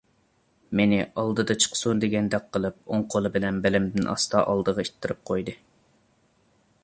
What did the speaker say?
مېنى ئالدىدا چىقسۇن دېگەندەك قىلىپ ئوڭ قولى بىلەن بېلىمدىن ئاستا ئالدىغا ئىتتىرىپ قويدى.